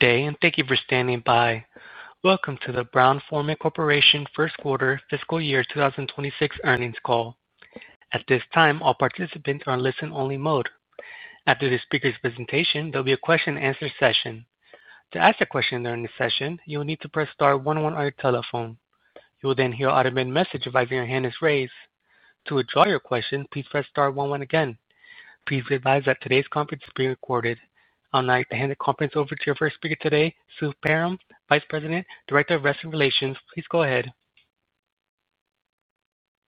Thank you for standing by. Welcome to the Brown-Forman Corporation First Quarter Fiscal Year 2026 Earnings Call. At this time, all participants are in listen-only mode. After the speaker's presentation, there will be a question-and-answer session. To ask a question during the session, you will need to press star 11 on your telephone. You will then hear an automated message advising your hand is raised. To withdraw your question, please press star 11 again. Please be advised that today's conference is being recorded. I will now hand the conference over to our first speaker today, Sue Perram, Vice President, Director of Risk and Relations. Please go ahead.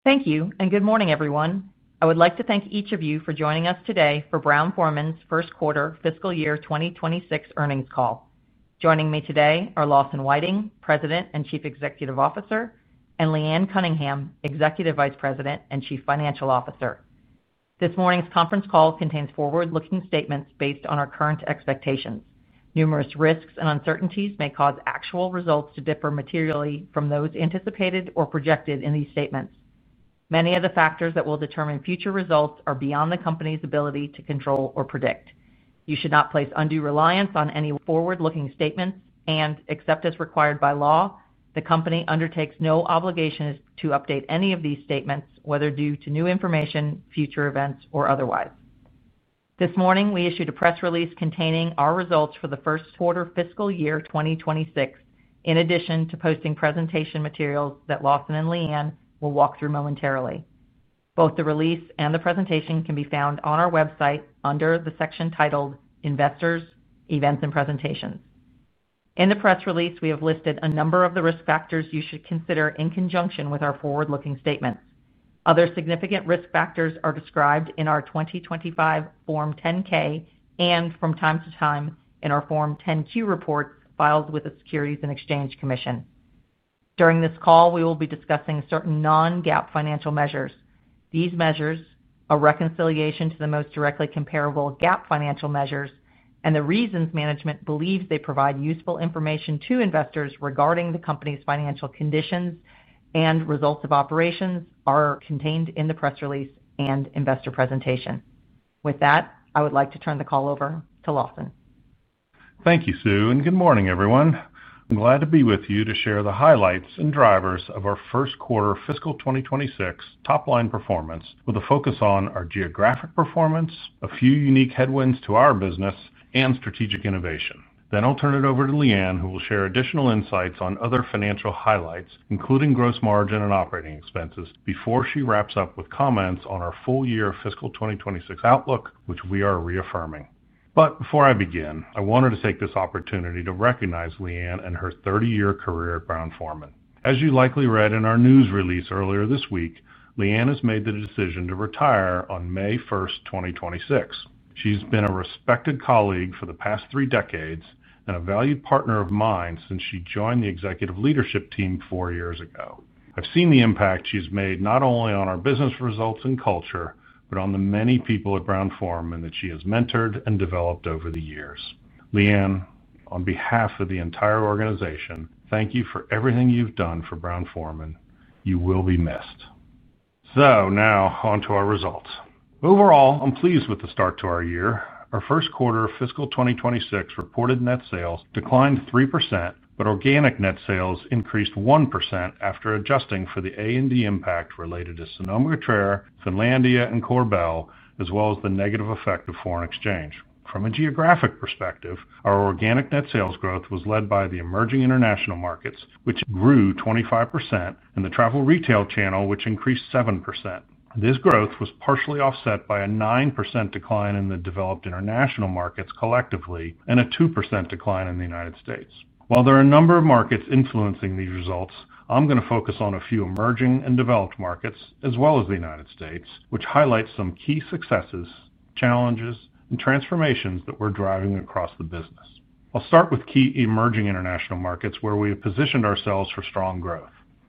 Thank you, and good morning, everyone. I would like to thank each of you for joining us today for Brown-Forman's first quarter fiscal year 2026 earnings call. Joining me today are Lawson Whiting, President and Chief Executive Officer, and Leanne Cunningham, Executive Vice President and Chief Financial Officer. This morning's conference call contains forward-looking statements based on our current expectations. Numerous risks and uncertainties may cause actual results to differ materially from those anticipated or projected in these statements. Many of the factors that will determine future results are beyond the company's ability to control or predict. You should not place undue reliance on any forward-looking statements, and except as required by law, the company undertakes no obligation to update any of these statements, whether due to new information, future events, or otherwise. This morning, we issued a press release containing our results for the first quarter fiscal year 2026, in addition to posting presentation materials that Lawson and Leanne will walk through momentarily. Both the release and the presentation can be found on our website under the section titled Investors, Events, and Presentations. In the press release, we have listed a number of the risk factors you should consider in conjunction with our forward-looking statements. Other significant risk factors are described in our 2025 Form 10-K and, from time to time, in our Form 10-Q reports filed with the Securities and Exchange Commission. During this call, we will be discussing certain non-GAAP financial measures. These measures are reconciliation to the most directly comparable GAAP financial measures, and the reasons management believes they provide useful information to investors regarding the company's financial conditions and results of operations are contained in the press release and investor presentation. With that, I would like to turn the call over to Lawson. Thank you, Sue, and good morning, everyone. I'm glad to be with you to share the highlights and drivers of our first quarter fiscal 2026 top-line performance, with a focus on our geographic performance, a few unique headwinds to our business, and strategic innovation. I'll turn it over to Leanne, who will share additional insights on other financial highlights, including gross margin and operating expenses, before she wraps up with comments on our full year fiscal 2026 outlook, which we are reaffirming. Before I begin, I wanted to take this opportunity to recognize Leanne and her 30-year career at Brown-Forman. As you likely read in our news release earlier this week, Leanne has made the decision to retire on May 1st, 2026. She's been a respected colleague for the past three decades and a valued partner of mine since she joined the executive leadership team four years ago. I've seen the impact she's made not only on our business results and culture, but on the many people at Brown-Forman that she has mentored and developed over the years. Leanne, on behalf of the entire organization, thank you for everything you've done for Brown-Forman. You will be missed. Now on to our results. Overall, I'm pleased with the start to our year. Our first quarter of fiscal 2026 reported net sales declined 3%, but organic net sales increased 1% after adjusting for the A&D impact related to Sonoma, Finlandia, and Korbel, as well as the negative effect of foreign exchange. From a geographic perspective, our organic net sales growth was led by the emerging international markets, which grew 25%, and the travel retail channel, which increased 7%. This growth was partially offset by a 9% decline in the developed international markets collectively and a 2% decline in the United States. While there are a number of markets influencing these results, I'm going to focus on a few emerging and developed markets, as well as the United States, which highlight some key successes, challenges, and transformations that we're driving across the business. I'll start with key emerging international markets where we have positioned ourselves for strong growth.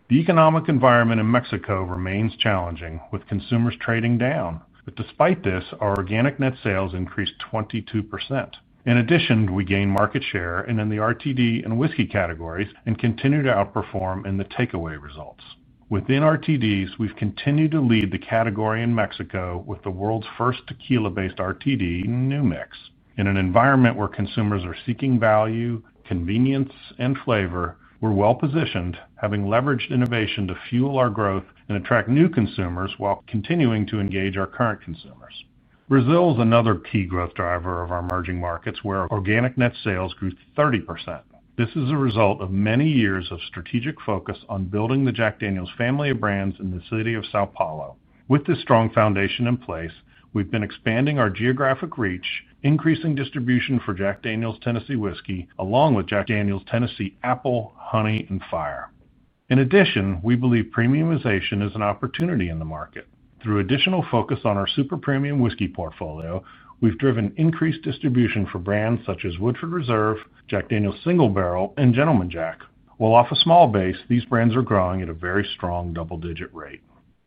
The economic environment in Mexico remains challenging, with consumers trading down, but despite this, our organic net sales increased 22%. In addition, we gained market share in the RTD and whiskey categories and continue to outperform in the takeaway results. Within RTDs, we've continued to lead the category in Mexico with the world's first tequila-based RTD, New Mix. In an environment where consumers are seeking value, convenience, and flavor, we're well-positioned, having leveraged innovation to fuel our growth and attract new consumers while continuing to engage our current consumers. Brazil is another key growth driver of our emerging markets, where organic net sales grew 30%. This is a result of many years of strategic focus on building the Jack Daniel's family of brands in the city of São Paulo. With this strong foundation in place, we've been expanding our geographic reach, increasing distribution for Jack Daniel's Tennessee Whiskey, along with Jack Daniel's Tennessee Apple, Honey, and Fire. In addition, we believe premiumization is an opportunity in the market. Through additional focus on our super premium whiskey portfolio, we've driven increased distribution for brands such as Woodford Reserve, Jack Daniel's Single Barrel, and Gentleman Jack. While off a small base, these brands are growing at a very strong double-digit rate.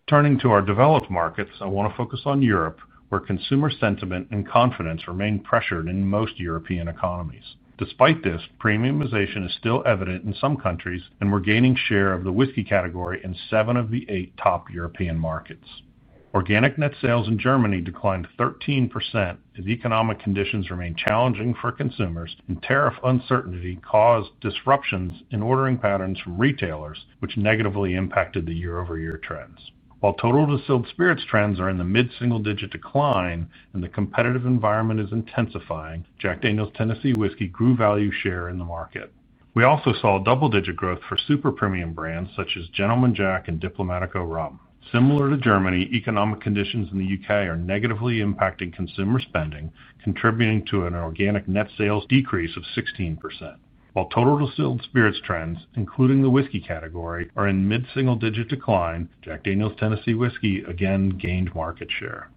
Turning to our developed markets, I want to focus on Europe, where consumer sentiment and confidence remain pressured in most European economies. Despite this, premiumization is still evident in some countries, and we're gaining share of the whiskey category in seven of the eight top European markets. Organic net sales in Germany declined 13% as economic conditions remain challenging for consumers, and tariff uncertainty caused disruptions in ordering patterns from retailers, which negatively impacted the year-over-year trends. While total distilled spirits trends are in the mid-single-digit decline and the competitive environment is intensifying, Jack Daniel's Tennessee Whiskey grew value share in the market. We also saw double-digit growth for super premium brands such as Gentleman Jack and Diplomático Rum. Similar to Germany, economic conditions in the U.K. are negatively impacting consumer spending, contributing to an organic net sales decrease of 16%. While total distilled spirits trends, including the whiskey category, are in mid-single-digit decline, Jack Daniel's Tennessee Whiskey again gained market share.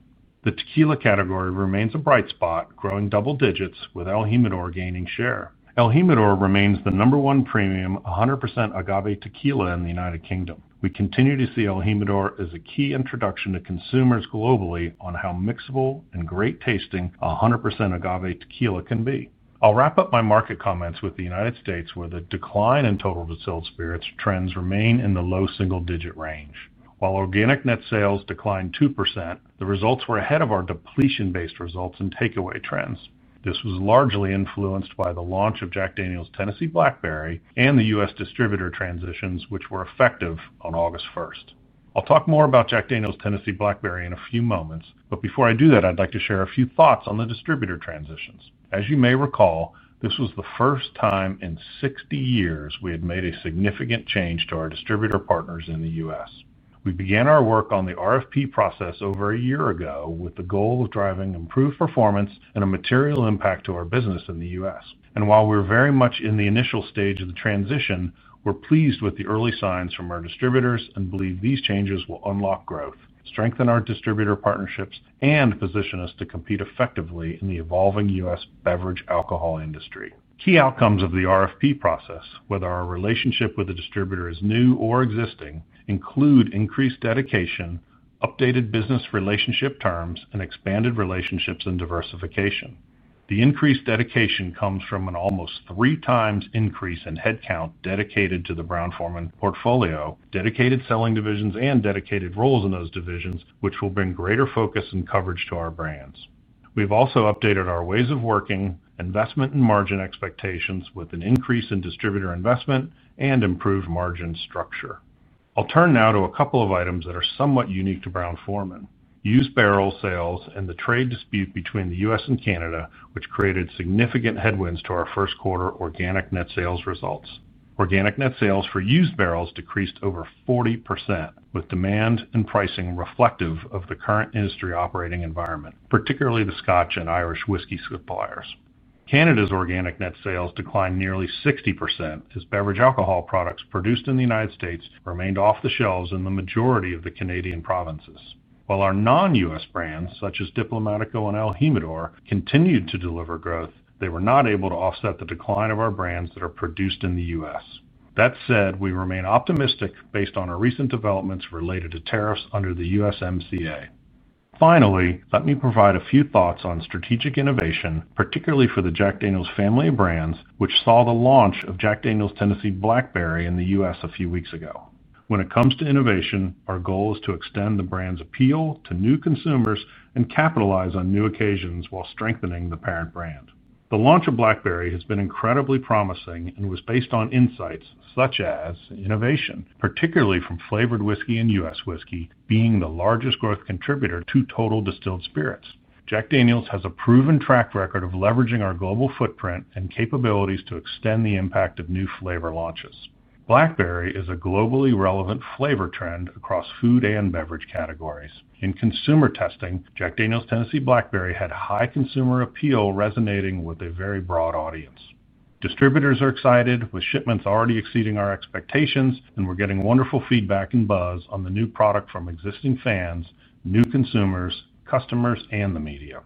The tequila category remains a bright spot, growing double digits, with el Jimador gaining share. El Jimador remains the number one premium 100% agave tequila in the United Kingdom. We continue to see el Jimador as a key introduction to consumers globally on how mixable and great tasting 100% agave tequila can be. I'll wrap up my market comments with the United States, where the decline in total distilled spirits trends remain in the low single-digit range. While organic net sales declined 2%, the results were ahead of our depletion-based results and takeaway trends. This was largely influenced by the launch of Jack Daniel's Tennessee Blackberry and the U.S. distributor transitions, which were effective on August 1st. I'll talk more about Jack Daniel's Tennessee Blackberry in a few moments, but before I do that, I'd like to share a few thoughts on the distributor transitions. As you may recall, this was the first time in 60 years we had made a significant change to our distributor partners in the U.S. We began our work on the RFP process over a year ago with the goal of driving improved performance and a material impact to our business in the U.S. While we're very much in the initial stage of the transition, we're pleased with the early signs from our distributors and believe these changes will unlock growth, strengthen our distributor partnerships, and position us to compete effectively in the evolving U.S. beverage alcohol industry. Key outcomes of the RFP process, whether our relationship with the distributor is new or existing, include increased dedication, updated business relationship terms, and expanded relationships and diversification. The increased dedication comes from an almost three times increase in headcount dedicated to the Brown-Forman portfolio, dedicated selling divisions, and dedicated roles in those divisions, which will bring greater focus and coverage to our brands. We've also updated our ways of working, investment, and margin expectations with an increase in distributor investment and improved margin structure. I'll turn now to a couple of items that are somewhat unique to Brown-Forman. Used barrel sales and the trade dispute between the U.S. and Canada, which created significant headwinds to our first quarter organic net sales results. Organic net sales for used barrels decreased over 40%, with demand and pricing reflective of the current industry operating environment, particularly the Scotch and Irish whiskey suppliers. Canada's organic net sales declined nearly 60% as beverage alcohol products produced in the United States remained off the shelves in the majority of the Canadian provinces. While our non-U.S. brands, such as Diplomático and el Jimador, continued to deliver growth, they were not able to offset the decline of our brands that are produced in the U.S. That said, we remain optimistic based on our recent developments related to tariffs under the USMCA. Finally, let me provide a few thoughts on strategic innovation, particularly for the Jack Daniel's family of brands, which saw the launch of Jack Daniel's Tennessee Blackberry in the U.S. a few weeks ago. When it comes to innovation, our goal is to extend the brand's appeal to new consumers and capitalize on new occasions while strengthening the parent brand. The launch of Blackberry has been incredibly promising and was based on insights such as innovation, particularly from flavored whiskey and U.S. whiskey, being the largest growth contributor to total distilled spirits. Jack Daniel's has a proven track record of leveraging our global footprint and capabilities to extend the impact of new flavor launches. Blackberry is a globally relevant flavor trend across food and beverage categories. In consumer testing, Jack Daniel's Tennessee Blackberry had high consumer appeal, resonating with a very broad audience. Distributors are excited, with shipments already exceeding our expectations, and we're getting wonderful feedback and buzz on the new product from existing fans, new consumers, customers, and the media.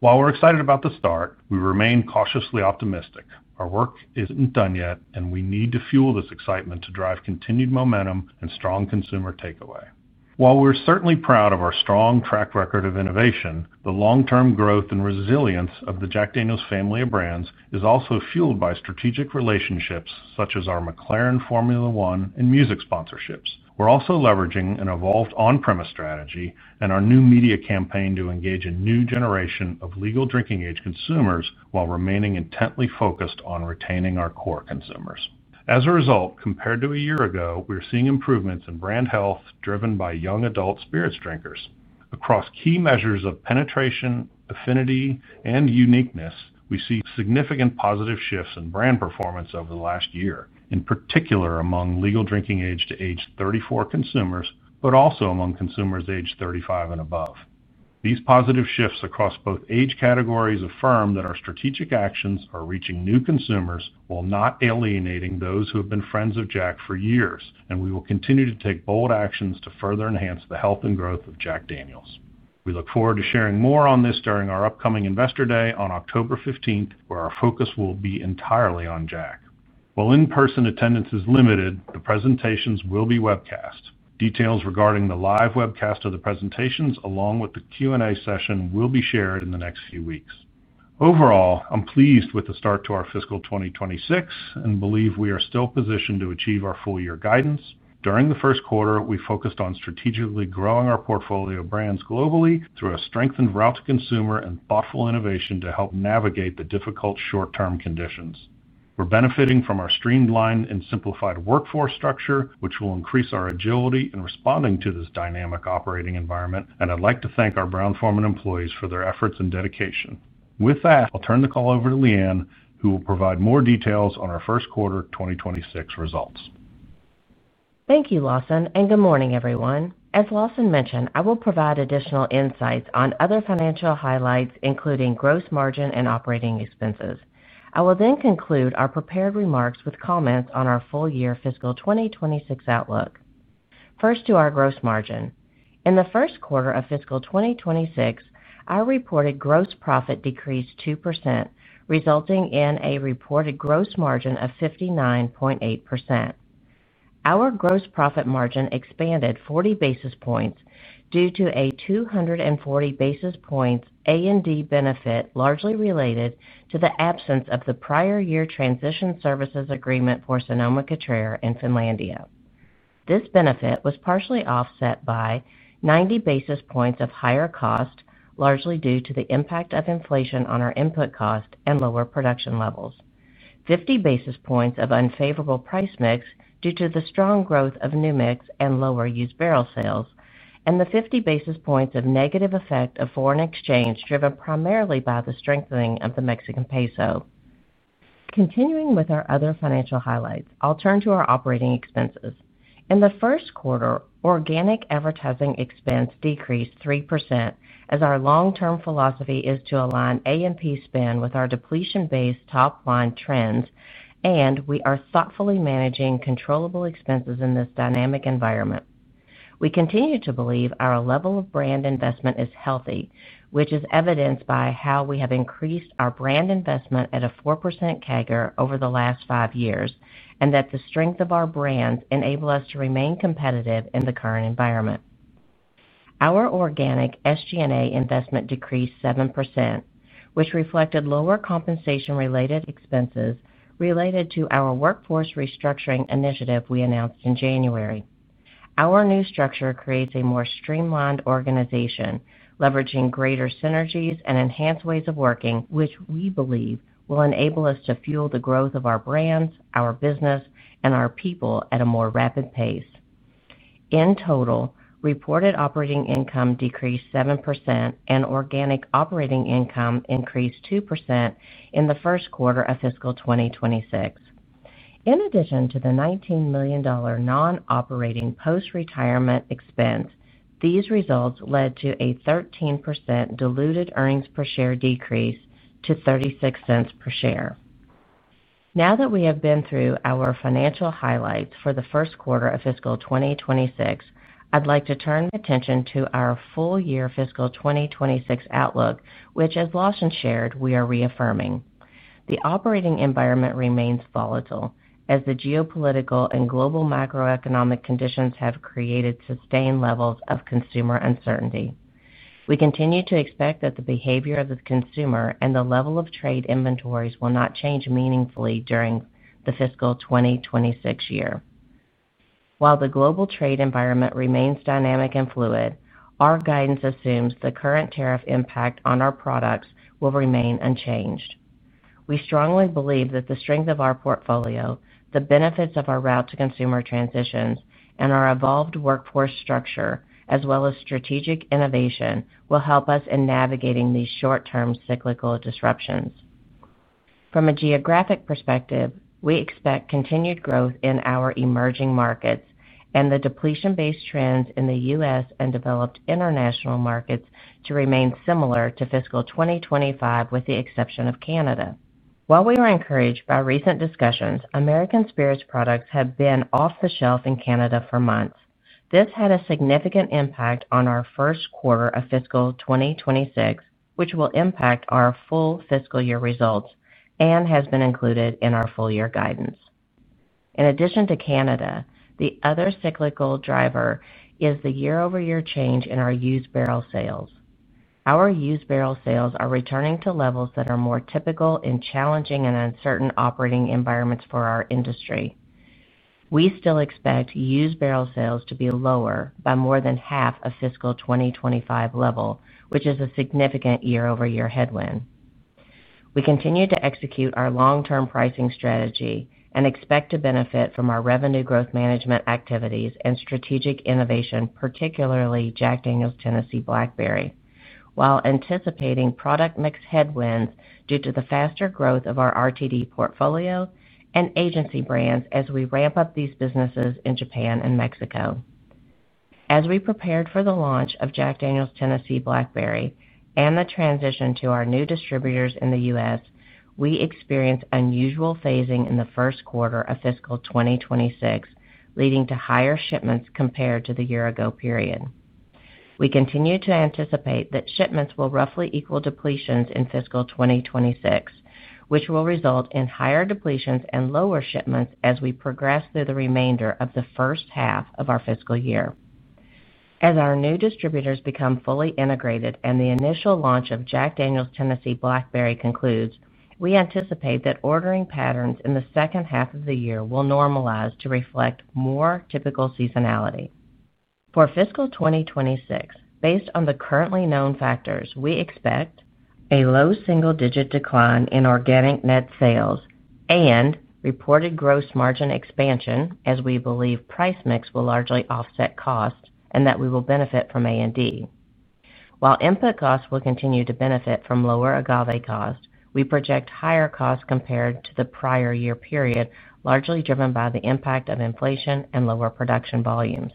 While we're excited about the start, we remain cautiously optimistic. Our work isn't done yet, and we need to fuel this excitement to drive continued momentum and strong consumer takeaway. While we're certainly proud of our strong track record of innovation, the long-term growth and resilience of the Jack Daniel's family of brands is also fueled by strategic relationships such as our McLaren Formula 1 and music sponsorships. We're also leveraging an evolved on-premise strategy and our new media campaign to engage a new generation of legal drinking age consumers while remaining intently focused on retaining our core consumers. As a result, compared to a year ago, we're seeing improvements in brand health driven by young adult spirits drinkers. Across key measures of penetration, affinity, and uniqueness, we see significant positive shifts in brand performance over the last year, in particular among legal drinking age to age 34 consumers, but also among consumers age 35 and above. These positive shifts across both age categories affirm that our strategic actions are reaching new consumers while not alienating those who have been friends of Jack for years, and we will continue to take bold actions to further enhance the health and growth of Jack Daniel's. We look forward to sharing more on this during our upcoming Investor Day on October 15th, where our focus will be entirely on Jack. While in-person attendance is limited, the presentations will be webcast. Details regarding the live webcast of the presentations, along with the Q&A session, will be shared in the next few weeks. Overall, I'm pleased with the start to our fiscal 2026 and believe we are still positioned to achieve our full-year guidance. During the first quarter, we focused on strategically growing our portfolio brands globally through a strengthened route to consumer and thoughtful innovation to help navigate the difficult short-term conditions. We're benefiting from our streamlined and simplified workforce structure, which will increase our agility in responding to this dynamic operating environment, and I'd like to thank our Brown-Forman employees for their efforts and dedication. With that, I'll turn the call over to Leanne, who will provide more details on our first quarter 2026 results. Thank you, Lawson, and good morning, everyone. As Lawson mentioned, I will provide additional insights on other financial highlights, including gross margin and operating expenses. I will then conclude our prepared remarks with comments on our full-year fiscal 2026 outlook. First, to our gross margin. In the first quarter of fiscal 2026, our reported gross profit decreased 2%, resulting in a reported gross margin of 59.8%. Our gross profit margin expanded 40 basis points due to a 240 basis points A&D benefit largely related to the absence of the prior year transition services agreement for Sonoma-Cutrer and Finlandia. This benefit was partially offset by 90 basis points of higher cost, largely due to the impact of inflation on our input cost and lower production levels, 50 basis points of unfavorable price mix due to the strong growth of New Mix and lower used barrel sales, and the 50 basis points of negative effect of foreign exchange driven primarily by the strengthening of the Mexican peso. Continuing with our other financial highlights, I'll turn to our operating expenses. In the first quarter, organic advertising expense decreased 3% as our long-term philosophy is to align A&P spend with our depletion-based top-line trends, and we are thoughtfully managing controllable expenses in this dynamic environment. We continue to believe our level of brand investment is healthy, which is evidenced by how we have increased our brand investment at a 4% CAGR over the last five years, and that the strength of our brands enables us to remain competitive in the current environment. Our organic SG&A investment decreased 7%, which reflected lower compensation-related expenses related to our workforce restructuring initiative we announced in January. Our new structure creates a more streamlined organization, leveraging greater synergies and enhanced ways of working, which we believe will enable us to fuel the growth of our brands, our business, and our people at a more rapid pace. In total, reported operating income decreased 7% and organic operating income increased 2% in the first quarter of fiscal 2026. In addition to the $19 million non-operating post-retirement expense, these results led to a 13% diluted EPS decrease to $0.36 per share. Now that we have been through our financial highlights for the first quarter of fiscal 2026, I'd like to turn attention to our full-year fiscal 2026 outlook, which, as Lawson shared, we are reaffirming. The operating environment remains volatile as the geopolitical and global macroeconomic conditions have created sustained levels of consumer uncertainty. We continue to expect that the behavior of the consumer and the level of trade inventories will not change meaningfully during the fiscal 2026 year. While the global trade environment remains dynamic and fluid, our guidance assumes the current tariff impact on our products will remain unchanged. We strongly believe that the strength of our portfolio, the benefits of our route to consumer transitions, and our evolved workforce structure, as well as strategic innovation, will help us in navigating these short-term cyclical disruptions. From a geographic perspective, we expect continued growth in our emerging markets and the depletion-based trends in the U.S. and developed international markets to remain similar to fiscal 2025, with the exception of Canada. While we were encouraged by recent discussions, American spirits products have been off the shelf in Canada for months. This had a significant impact on our first quarter of fiscal 2026, which will impact our full fiscal year results and has been included in our full-year guidance. In addition to Canada, the other cyclical driver is the year-over-year change in our used barrel sales. Our used barrel sales are returning to levels that are more typical in challenging and uncertain operating environments for our industry. We still expect used barrel sales to be lower by more than half of fiscal 2025 level, which is a significant year-over-year headwind. We continue to execute our long-term pricing strategy and expect to benefit from our revenue growth management activities and strategic innovation, particularly Jack Daniel's Tennessee Blackberry, while anticipating product mix headwinds due to the faster growth of our RTD portfolio and agency brands as we ramp up these businesses in Japan and Mexico. As we prepared for the launch of Jack Daniel's Tennessee Blackberry and the transition to our new distributors in the U.S., we experienced unusual phasing in the first quarter of fiscal 2026, leading to higher shipments compared to the year-ago period. We continue to anticipate that shipments will roughly equal depletions in fiscal 2026, which will result in higher depletions and lower shipments as we progress through the remainder of the first half of our fiscal year. As our new distributors become fully integrated and the initial launch of Jack Daniel's Tennessee Blackberry concludes, we anticipate that ordering patterns in the second half of the year will normalize to reflect more typical seasonality. For fiscal 2026, based on the currently known factors, we expect a low single-digit decline in organic net sales and reported gross margin expansion, as we believe price mix will largely offset cost and that we will benefit from A&D. While input costs will continue to benefit from lower agave cost, we project higher costs compared to the prior year period, largely driven by the impact of inflation and lower production volumes.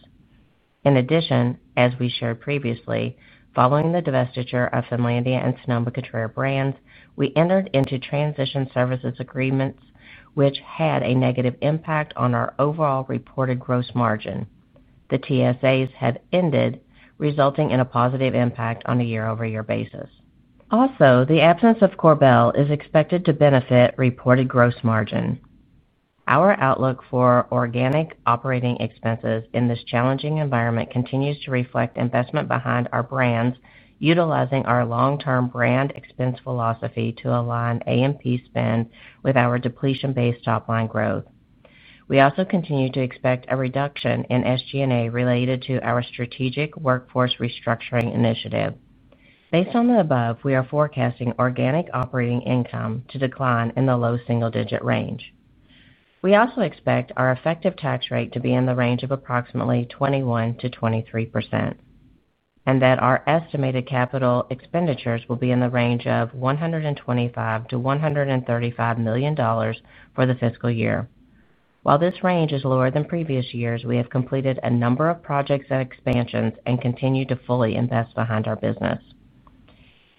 In addition, as we shared previously, following the divestiture of Finlandia and Sonoma-Cutrer brands, we entered into transition services agreements, which had a negative impact on our overall reported gross margin. The TSAs had ended, resulting in a positive impact on a year-over-year basis. Also, the absence of Korbel is expected to benefit reported gross margin. Our outlook for organic operating expenses in this challenging environment continues to reflect investment behind our brands, utilizing our long-term brand expense philosophy to align A&P spend with our depletion-based top-line growth. We also continue to expect a reduction in SG&A related to our strategic workforce restructuring initiative. Based on the above, we are forecasting organic operating income to decline in the low single-digit range. We also expect our effective tax rate to be in the range of approximately 21%-23% and that our estimated capital expenditures will be in the range of $125 million-$135 million for the fiscal year. While this range is lower than previous years, we have completed a number of projects and expansions and continue to fully invest behind our business.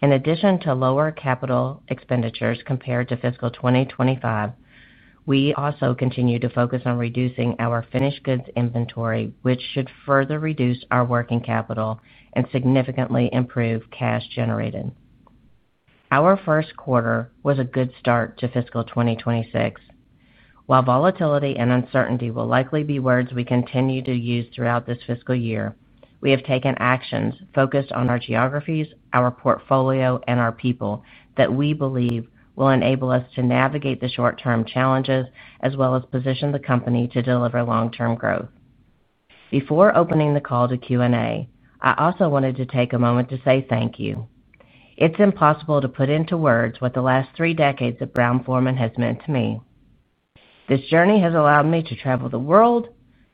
In addition to lower capital expenditures compared to fiscal 2025, we also continue to focus on reducing our finished goods inventory, which should further reduce our working capital and significantly improve cash generated. Our first quarter was a good start to fiscal 2026. While volatility and uncertainty will likely be words we continue to use throughout this fiscal year, we have taken actions focused on our geographies, our portfolio, and our people that we believe will enable us to navigate the short-term challenges as well as position the company to deliver long-term growth. Before opening the call to Q&A, I also wanted to take a moment to say thank you. It's impossible to put into words what the last three decades at Brown-Forman has meant to me. This journey has allowed me to travel the world,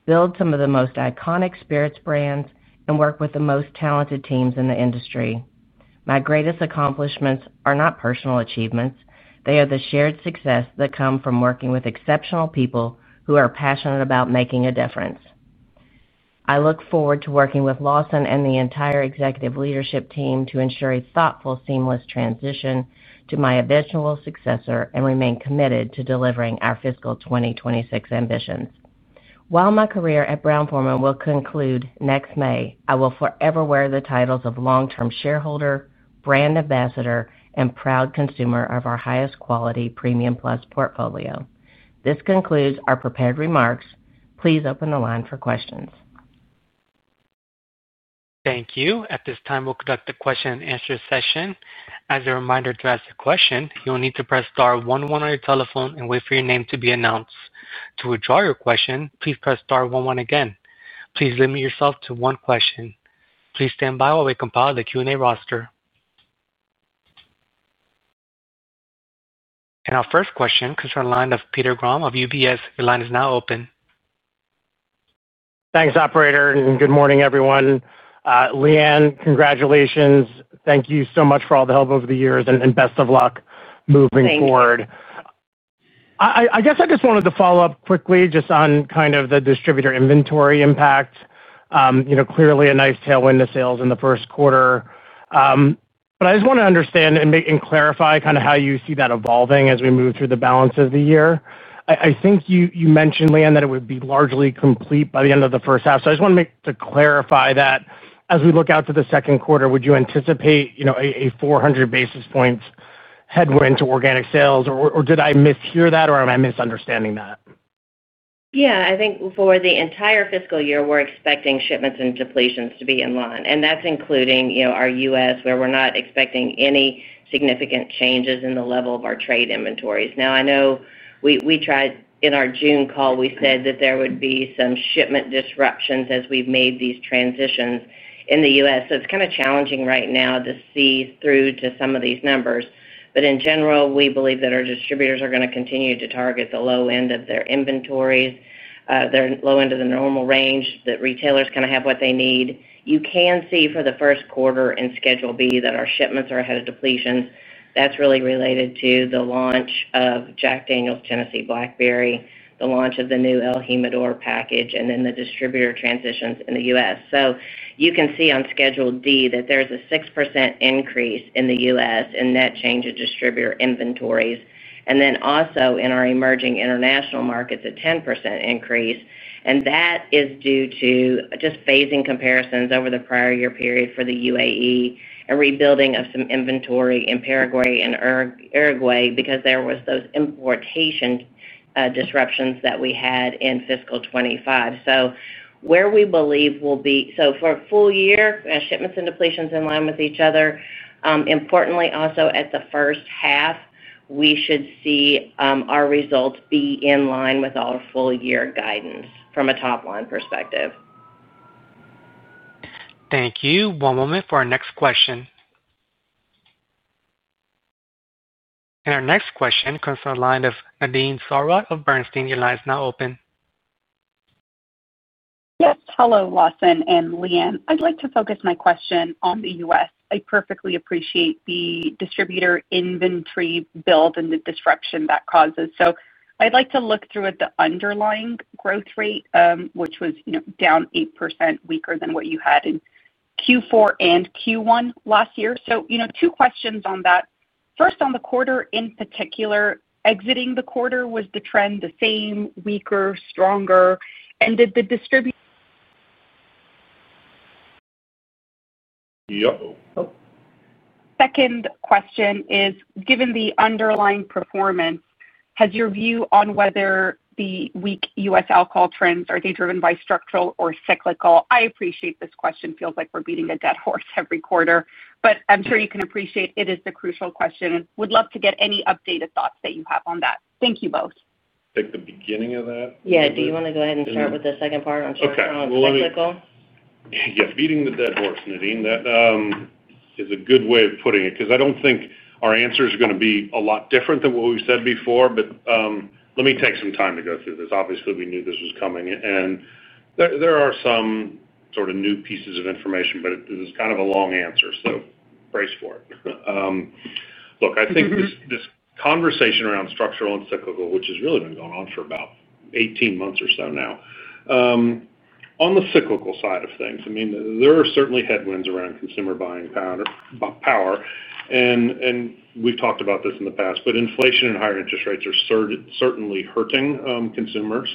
build some of the most iconic spirits brands, and work with the most talented teams in the industry. My greatest accomplishments are not personal achievements, they are the shared success that come from working with exceptional people who are passionate about making a difference. I look forward to working with Lawson and the entire Executive Leadership Team to ensure a thoughtful, seamless transition to my eventual successor and remain committed to delivering our fiscal 2026 ambitions. While my career at Brown-Forman will conclude next May, I will forever wear the titles of long-term shareholder, brand ambassador, and proud consumer of our highest quality premium plus portfolio. This concludes our prepared remarks. Please open the line for questions. Thank you. At this time, we'll conduct the question and answer session. As a reminder, to ask a question, you'll need to press star 11 on your telephone and wait for your name to be announced. To withdraw your question, please press star 11 again. Please limit yourself to one question. Please stand by while we compile the Q&A roster. Our first question comes from the line of Peter Grom of UBS. Your line is now open. Thanks, operator, and good morning, everyone. Leanne, congratulations. Thank you so much for all the help over the years and best of luck moving forward. I just wanted to follow up quickly on the distributor inventory impact. Clearly a nice tailwind of sales in the first quarter. I just want to understand and clarify how you see that evolving as we move through the balance of the year. I think you mentioned, Leanne, that it would be largely complete by the end of the first half. I just want to clarify that. As we look out to the second quarter, would you anticipate a 400 basis points headwind to organic sales, or did I mishear that, or am I misunderstanding that? Yeah, I think for the entire fiscal year, we're expecting shipments and depletions to be in line. That's including, you know, our U.S., where we're not expecting any significant changes in the level of our trade inventories. I know we tried in our June call, we said that there would be some shipment disruptions as we've made these transitions in the U.S. It's kind of challenging right now to see through to some of these numbers. In general, we believe that our distributors are going to continue to target the low end of their inventories, their low end of the normal range, that retailers kind of have what they need. You can see for the first quarter in Schedule B that our shipments are ahead of depletions. That's really related to the launch of Jack Daniel's Tennessee Blackberry, the launch of the new el Jimador package, and then the distributor transitions in the U.S. You can see on Schedule D that there's a 6% increase in the U.S. in net change of distributor inventories. Also, in our emerging international markets, a 10% increase. That is due to just phasing comparisons over the prior year period for the UAE and rebuilding of some inventory in Paraguay and Uruguay because there were those importation disruptions that we had in fiscal 2025. Where we believe we'll be, for a full year, shipments and depletions in line with each other. Importantly, also at the first half, we should see our results be in line with our full year guidance from a top-line perspective. Thank you. One moment for our next question. Our next question comes from the line of Nadine Sarwat of Bernstein. Your line is now open. Yes. Hello, Lawson and Leanne. I'd like to focus my question on the U.S. I perfectly appreciate the distributor inventory build and the disruption that causes. I'd like to look through at the underlying growth rate, which was down 8%, weaker than what you had in Q4 and Q1 last year. Two questions on that. First, on the quarter in particular, exiting the quarter, was the trend the same, weaker, stronger? Did the distributor? Yep. Second question is, given the underlying performance, has your view on whether the weak U.S. alcohol trends are driven by structural or cyclical? I appreciate this question. It feels like we're beating a dead horse every quarter. I'm sure you can appreciate it is the crucial question. Would love to get any updated thoughts that you have on that. Thank you both. Take the beginning of that. Yeah, do you want to go ahead and start with the second part on structural and cyclical? Yeah, beating the dead horse, Nadine. That is a good way of putting it because I don't think our answer is going to be a lot different than what we said before. Let me take some time to go through this. Obviously, we knew this was coming. There are some sort of new pieces of information, but it was kind of a long answer. So, brace for it. Look, I think this conversation around structural and cyclical, which has really been going on for about 18 months or so now, on the cyclical side of things, there are certainly headwinds around consumer buying power. We've talked about this in the past, but inflation and higher interest rates are certainly hurting consumers.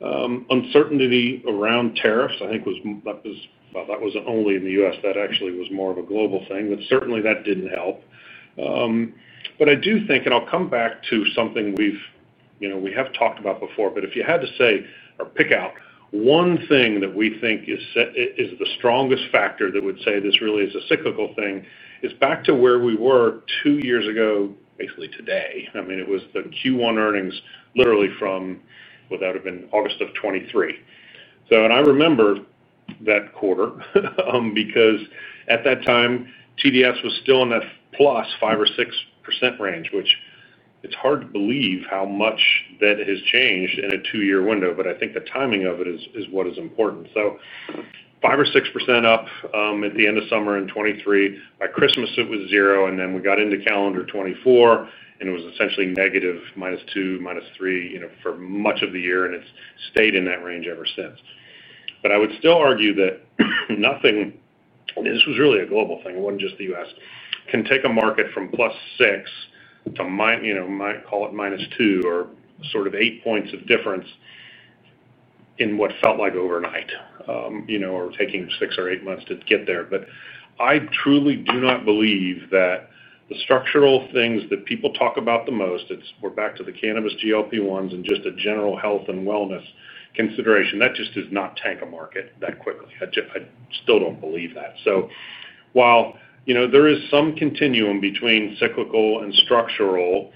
Uncertainty around tariffs, I think, was, well, that was only in the U.S. That actually was more of a global thing, but certainly that didn't help. I do think, and I'll come back to something we've talked about before, if you had to say or pick out one thing that we think is the strongest factor that would say this really is a cyclical thing, it's back to where we were two years ago, basically today. It was the Q1 earnings literally from, well, that would have been August of 2023. I remember that quarter because at that time, TDS was still in that +5% or 6% range, which it's hard to believe how much that has changed in a two-year window. I think the timing of it is what is important. So, 5% or 6% up at the end of summer in 2023. By Christmas, it was zero. Then we got into calendar 2024, and it was essentially negative minus two, minus three, for much of the year. It's stayed in that range ever since. I would still argue that nothing, this was really a global thing. It wasn't just the U.S., can take a market from plus six to, you know, might call it minus two or sort of eight points of difference in what felt like overnight, or taking six or eight months to get there. I truly do not believe that the structural things that people talk about the most, we're back to the cannabis, GLP-1s, and just a general health and wellness consideration. That just does not tank a market that quickly. I still don't believe that. While there is some continuum between cyclical and structural,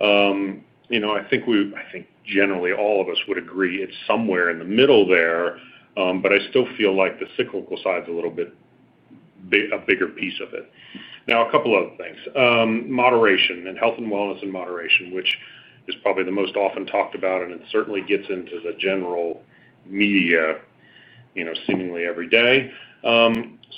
I think generally all of us would agree it's somewhere in the middle there. I still feel like the cyclical side's a little bit a bigger piece of it. Now, a couple of other things. Moderation and health and wellness and moderation, which is probably the most often talked about, and it certainly gets into the general media, you know, seemingly every day.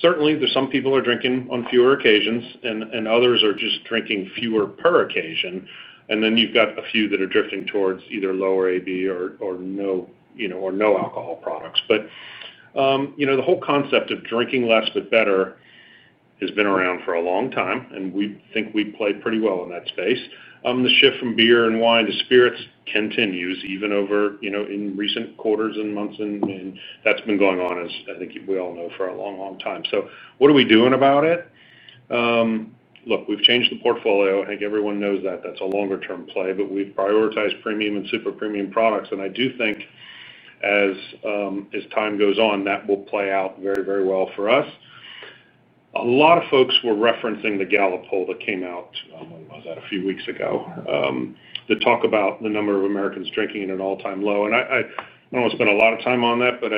Certainly, there's some people who are drinking on fewer occasions, and others are just drinking fewer per occasion. Then you've got a few that are drifting towards either lower AB or no, you know, or no alcohol products. The whole concept of drinking less but better has been around for a long time, and we think we play pretty well in that space. The shift from beer and wine to spirits continues even over, you know, in recent quarters and months, and that's been going on, as I think we all know, for a long, long time. What are we doing about it? We've changed the portfolio. I think everyone knows that. That's a longer-term play, but we've prioritized premium and super premium products. I do think as time goes on, that will play out very, very well for us. A lot of folks were referencing the Gallup poll that came out, I was at a few weeks ago, to talk about the number of Americans drinking at an all-time low. I don't want to spend a lot of time on that, but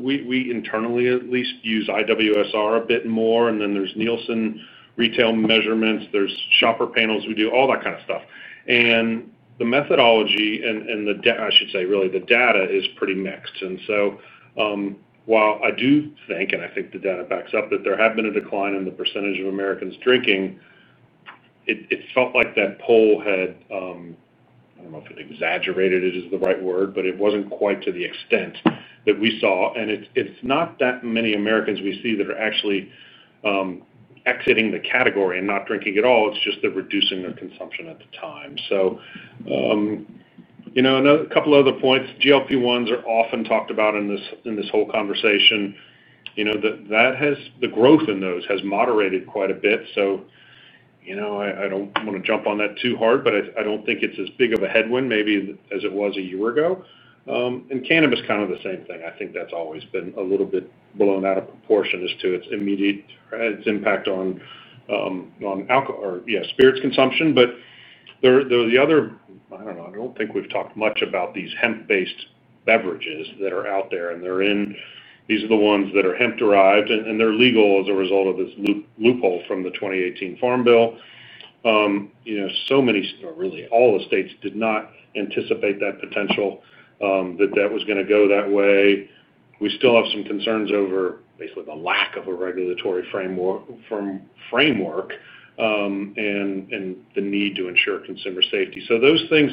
we internally at least use IWSR a bit more. Then there's Nielsen retail measurements. There's shopper panels. We do all that kind of stuff. The methodology, and I should say really the data, is pretty mixed. While I do think, and I think the data backs up, that there had been a decline in the percentage of Americans drinking, it felt like that poll had, I don't know if exaggerated is the right word, but it wasn't quite to the extent that we saw. It's not that many Americans we see that are actually exiting the category and not drinking at all. It's just they're reducing their consumption at the time. A couple of other points. GLP-1s are often talked about in this whole conversation. The growth in those has moderated quite a bit. I don't want to jump on that too hard, but I don't think it's as big of a headwind maybe as it was a year ago. Cannabis, kind of the same thing. I think that's always been a little bit blown out of proportion as to its immediate impact on spirits consumption. There are the other, I don't know, I don't think we've talked much about these hemp-based beverages that are out there. They're in, these are the ones that are hemp-derived, and they're legal as a result of this loophole from the 2018 Farm Bill. Many, really all the states did not anticipate that potential, that that was going to go that way. We still have some concerns over basically the lack of a regulatory framework and the need to ensure consumer safety. Those things,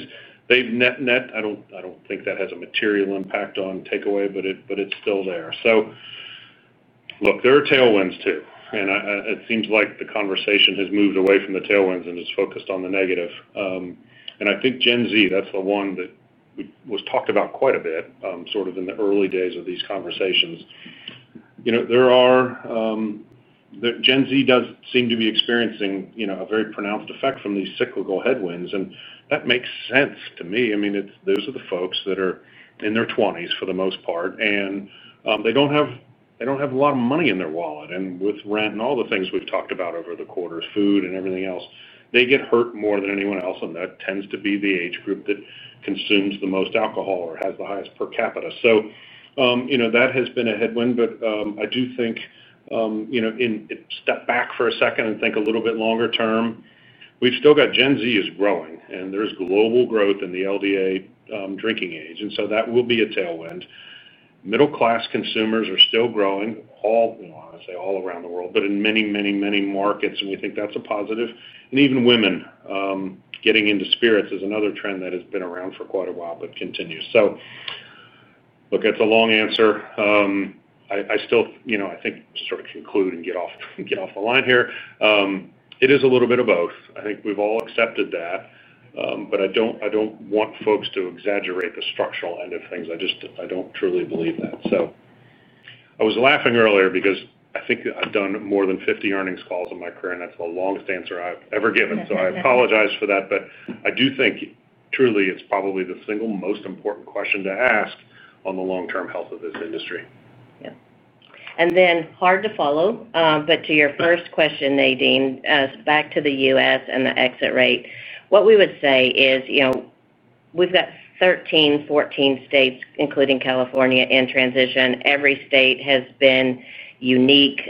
net net, I don't think that has a material impact on takeaway, but it's still there. There are tailwinds too. It seems like the conversation has moved away from the tailwinds and is focused on the negative. Gen Z, that's the one that was talked about quite a bit in the early days of these conversations. Gen Z does seem to be experiencing a very pronounced effect from these cyclical headwinds, and that makes sense to me. Those are the folks that are in their 20s for the most part, and they don't have a lot of money in their wallet. With rent and all the things we've talked about over the quarters, food and everything else, they get hurt more than anyone else. That tends to be the age group that consumes the most alcohol or has the highest per capita. That has been a headwind. If you step back for a second and think a little bit longer term, we've still got Gen Z is growing, and there's global growth in the LDA drinking age. That will be a tailwind. Middle-class consumers are still growing, I want to say, all around the world, but in many, many, many markets. We think that's a positive. Even women getting into spirits is another trend that has been around for quite a while, but continues. It's a long answer. I think, to sort of conclude and get off the line here, it is a little bit of both. I think we've all accepted that. I don't want folks to exaggerate the structural end of things. I just don't truly believe that. I was laughing earlier because I think I've done more than 50 earnings calls in my career, and that's the longest answer I've ever given. I apologize for that. I do think truly it's probably the single most important question to ask on the long-term health of this industry. Yeah. To your first question, Nadine, back to the U.S. and the exit rate, what we would say is, you know, we've got 13, 14 states, including California, in transition. Every state has been unique.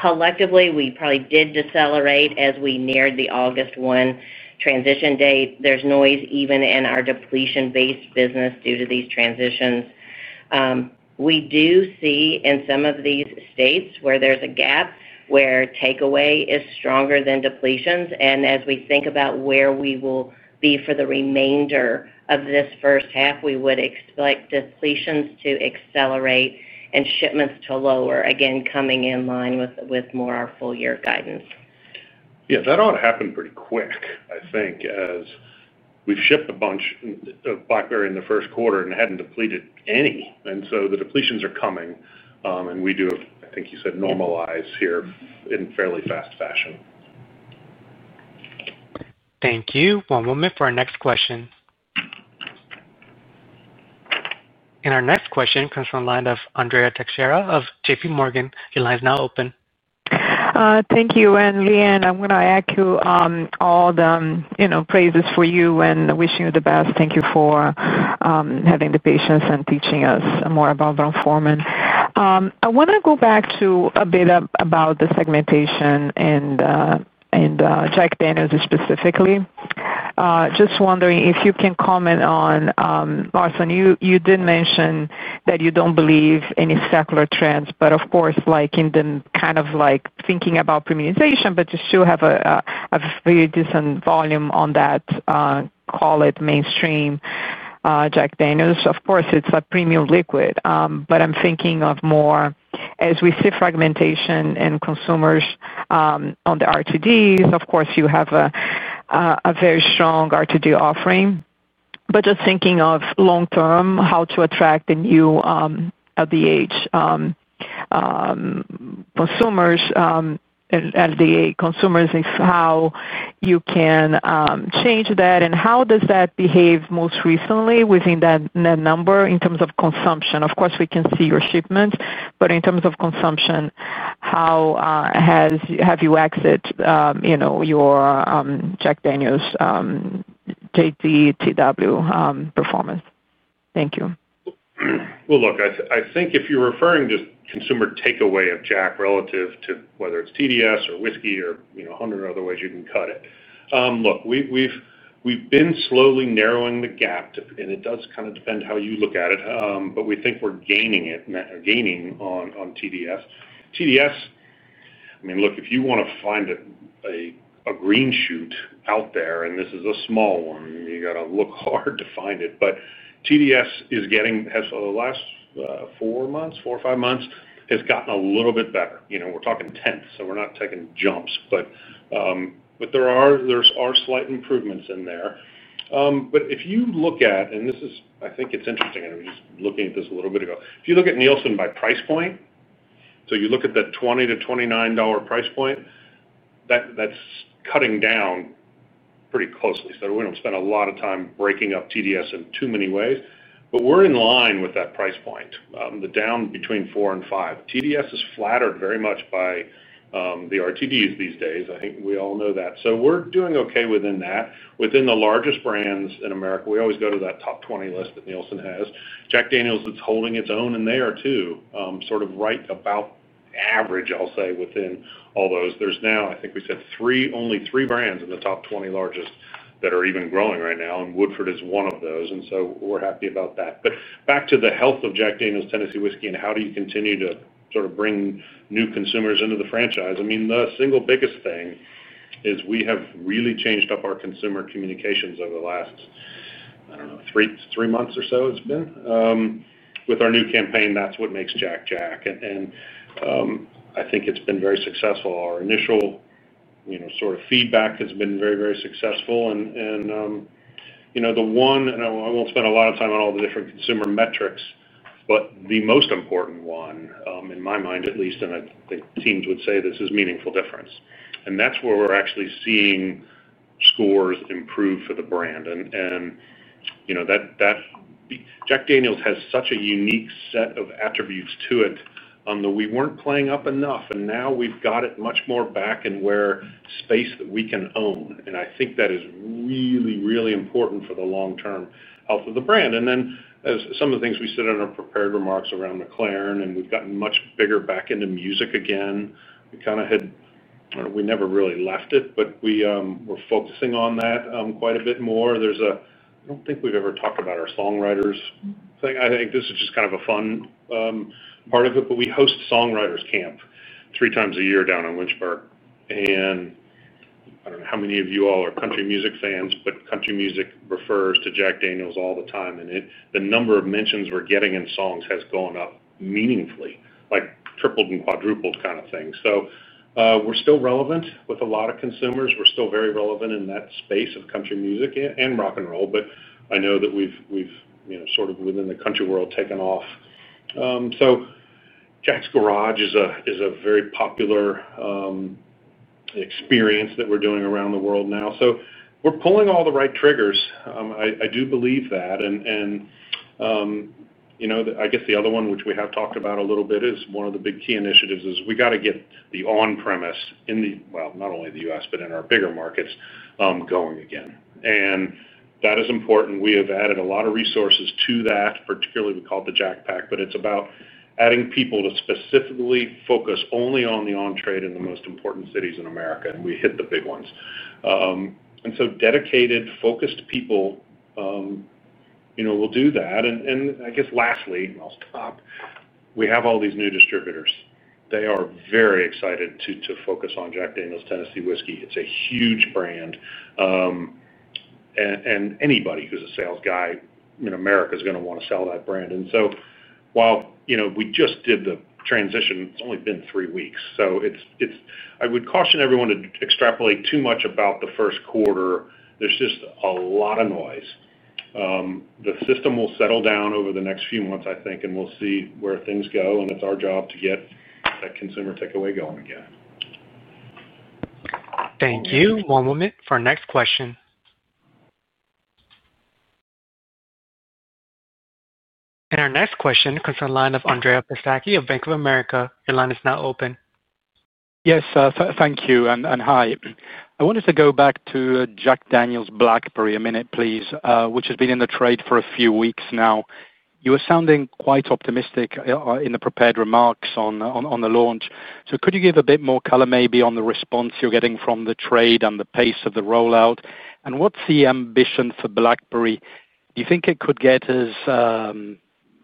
Collectively, we probably did decelerate as we neared the August 1 transition date. There's noise even in our depletion-based business due to these transitions. We do see in some of these states where there's a gap where takeaway is stronger than depletions. As we think about where we will be for the remainder of this first half, we would expect depletions to accelerate and shipments to lower, again, coming in line with more of our full-year guidance. Yeah, that ought to happen pretty quick, I think, as we've shipped a bunch of Blackberry in the first quarter and hadn't depleted any. The depletions are coming. We do, I think you said, normalize here in fairly fast fashion. Thank you. One moment for our next question. Our next question comes from the line of Andrea Teixeira of JPMorgan. Your line is now open. Thank you. Leanne, I'm going to add to all the praises for you and wishing you the best. Thank you for having the patience and teaching us more about Brown-Forman. I want to go back to a bit about the segmentation and Jack Daniel's specifically. Just wondering if you can comment on, Lawson, you did mention that you don't believe in any secular trends, of course, like in the kind of like thinking about premiumization, but you still have a very decent volume on that, call it mainstream Jack Daniel's. Of course, it's a premium liquid. I'm thinking of more as we see fragmentation in consumers on the RTD. Of course, you have a very strong RTD offering. Just thinking of long-term, how to attract the new LDA consumers is how you can change that. How does that behave most recently within that number in terms of consumption? Of course, we can see your shipments, but in terms of consumption, how have you exited your Jack Daniel's JDTW performance? Thank you. I think if you're referring to consumer takeaway of Jack relative to whether it's TDS or whiskey or, you know, a hundred other ways you can cut it, we've been slowly narrowing the gap, and it does kind of depend how you look at it. We think we're gaining on TDS. TDS, I mean, if you want to find a green shoot out there, and this is a small one, you got to look hard to find it. TDS is getting, has for the last four or five months, gotten a little bit better. We're talking tenths, so we're not taking jumps, but there are slight improvements in there. If you look at, and this is, I think it's interesting, I was just looking at this a little bit ago, if you look at Nielsen by price point, so you look at the $20-$29 price point, that's cutting down pretty closely. We don't spend a lot of time breaking up TDS in too many ways, but we're in line with that price point, the down between four and five. TDS is flattered very much by the RTDs these days. I think we all know that. We're doing okay within that. Within the largest brands in America, we always go to that top 20 list that Nielsen has. Jack Daniel's is holding its own in there too, sort of right about average, I'll say, within all those. There's now, I think we said only three brands in the top 20 largest that are even growing right now, and Woodford is one of those. We're happy about that. Back to the health of Jack Daniel's Tennessee Whiskey and how do you continue to sort of bring new consumers into the franchise, the single biggest thing is we have really changed up our consumer communications over the last, I don't know, three months or so it's been, with our new campaign, that's what makes Jack Jack. I think it's been very successful. Our initial, you know, sort of feedback has been very, very successful. I won't spend a lot of time on all the different consumer metrics, but the most important one, in my mind at least, and I think teams would say this is a meaningful difference, that's where we're actually seeing scores improve for the brand. Jack Daniel's has such a unique set of attributes to it that we weren't playing up enough, and now we've got it much more back in where space that we can own. I think that is really, really important for the long-term health of the brand. Some of the things we said in our prepared remarks around McLaren, and we've gotten much bigger back into music again. We never really left it, but we were focusing on that quite a bit more. I don't think we've ever talked about our songwriters thing. I think this is just kind of a fun part of it, but we host songwriters camp three times a year down in Lynchburg. I don't know how many of you all are country music fans, but country music refers to Jack Daniel's all the time. The number of mentions we're getting in songs has gone up meaningfully, like tripled and quadrupled kind of thing. We're still relevant with a lot of consumers. We're still very relevant in that space of country music and rock and roll. I know that we've, you know, sort of within the country world taken off. Jack's Garage is a very popular experience that we're doing around the world now. We're pulling all the right triggers. I do believe that. I guess the other one, which we have talked about a little bit, is one of the big key initiatives is we got to get the on-premise in the, not only the U.S., but in our bigger markets going again. That is important. We have added a lot of resources to that, particularly we call it the Jack Pack, but it's about adding people to specifically focus only on the on-trade in the most important cities in America. We hit the big ones. Dedicated, focused people will do that. I guess lastly, and I'll stop, we have all these new distributors. They are very excited to focus on Jack Daniel's Tennessee Whiskey. It's a huge brand. Anybody who's a sales guy in America is going to want to sell that brand. While we just did the transition, it's only been three weeks. I would caution everyone to extrapolate too much about the first quarter. There's just a lot of noise. The system will settle down over the next few months, I think, and we'll see where things go. It's our job to get that consumer takeaway going again. Thank you. One moment for our next question. Our next question comes from the line of Andrea Pistacchi of Bank of America. Your line is now open. Yes, thank you. Hi. I wanted to go back to Jack Daniel's Tennessee Blackberry a minute, please, which has been in the trade for a few weeks now. You were sounding quite optimistic in the prepared remarks on the launch. Could you give a bit more color maybe on the response you're getting from the trade and the pace of the rollout? What's the ambition for Blackberry? Do you think it could get as,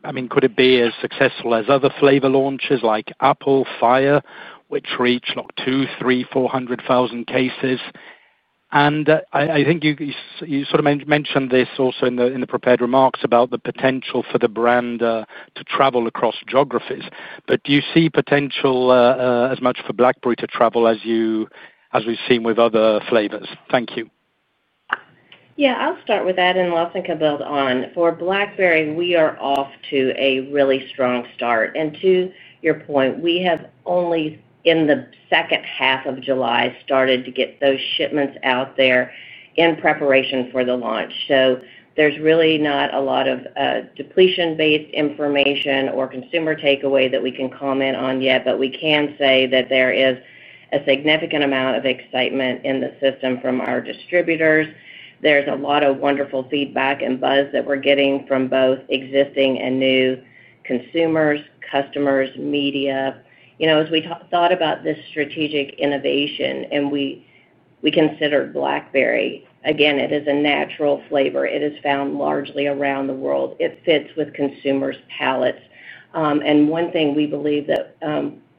I mean, could it be as successful as other flavor launches like Apple, Fire, which reach like 200,000, 300,000, 400,000 cases? I think you sort of mentioned this also in the prepared remarks about the potential for the brand to travel across geographies. Do you see potential as much for Blackberry to travel as you, as we've seen with other flavors? Thank you. Yeah, I'll start with that. Lawson can build on. For Blackberry, we are off to a really strong start. To your point, we have only in the second half of July started to get those shipments out there in preparation for the launch. There's really not a lot of depletion-based information or consumer takeaway that we can comment on yet. We can say that there is a significant amount of excitement in the system from our distributors. There's a lot of wonderful feedback and buzz that we're getting from both existing and new consumers, customers, media. As we thought about this strategic innovation and we considered Blackberry, again, it is a natural flavor. It is found largely around the world. It fits with consumers' palates. One thing we believe that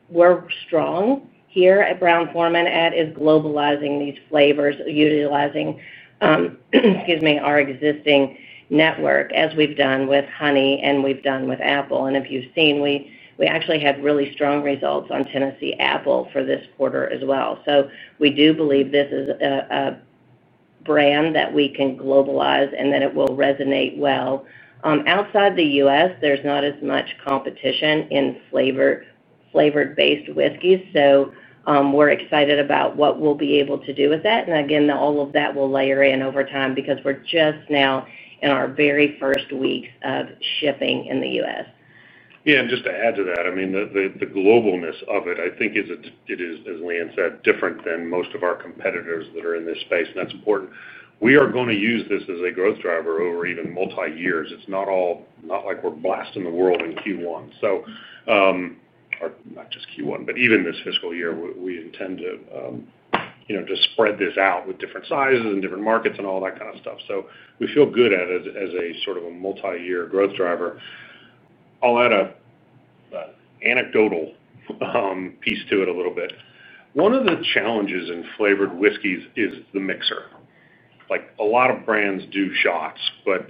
we're strong here at Brown-Forman at is globalizing these flavors, utilizing, excuse me, our existing network, as we've done with honey and we've done with apple. If you've seen, we actually had really strong results on Tennessee Apple for this quarter as well. We do believe this is a brand that we can globalize and that it will resonate well. Outside the U.S., there's not as much competition in flavored-based whiskeys. We're excited about what we'll be able to do with that. All of that will layer in over time because we're just now in our very first weeks of shipping in the U.S. Yeah, and just to add to that, the globalness of it, I think it is, as Leanne said, different than most of our competitors that are in this space. That's important. We are going to use this as a growth driver over even multi-years. It's not all, not like we're blasting the world in Q1. Not just Q1, but even this fiscal year, we intend to just spread this out with different sizes and different markets and all that kind of stuff. We feel good at it as a sort of a multi-year growth driver. I'll add an anecdotal piece to it a little bit. One of the challenges in flavored whiskeys is the mixer. Like a lot of brands do shots, but